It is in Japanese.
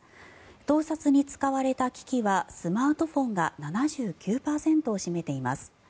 盗撮に使われた機器はスマートフォンが７９％を占めています。